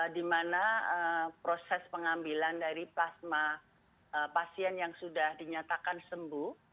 di mana proses pengambilan dari plasma pasien yang sudah dinyatakan sembuh